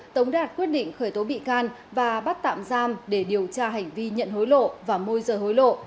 tống đạt quyết định khởi tố bị can và bắt tạm giam để điều tra hành vi nhận hối lộ và môi rời hối lộ